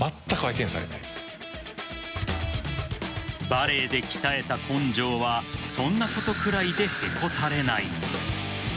バレーで鍛えた根性はそんなことくらいでへこたれない。